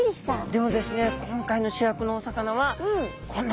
でもですね